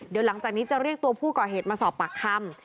เดี๋ยวหลังจากนี้จะเรียกตัวผู้ก่อเหตุมาสอบปากคำ